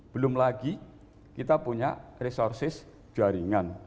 belum lagi kita punya resources jaringan